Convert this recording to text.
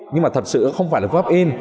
nhưng mà thật sự không phải là phương pháp in